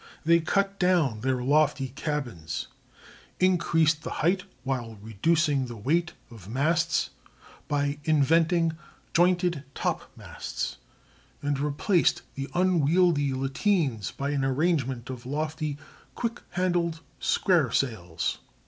They cut down the lofty cabins, increased the height, while reducing the weight, of masts by inventing jointed topmasts, and replaced the unwieldy lateens by an arrangement of lofty, quickly handled square sails.